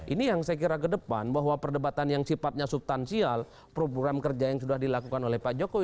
ini yang saya kira ke depan bahwa perdebatan yang sifatnya subtansial program kerja yang sudah dilakukan oleh pak jokowi